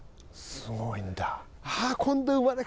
すごいんだ。